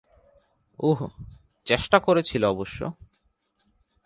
ওহ, চেষ্টা করেছিল অবশ্য।